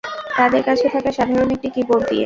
তাদের কাছে থাকা সাধারণ একটি কিবোর্ড দিয়ে।